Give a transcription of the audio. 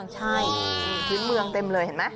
ใช่ชุดเมืองเต็มเลยเห็นมั้ย